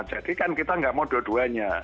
jadi kan kita nggak mau dua duanya